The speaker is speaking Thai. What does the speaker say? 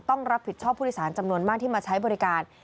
ต้องรับผิดชอบผู้โดยสารจำนวนมากที่มาใช้บริการ